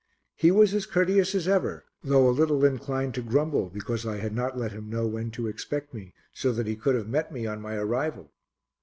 He was as courteous as ever, though a little inclined to grumble because I had not let him know when to expect me so that he could have met me on my arrival.